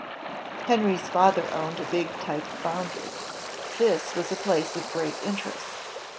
Henry's father owned a big type foundry. This was a place of great interest.